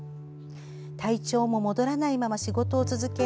体調も戻らないまま仕事を続け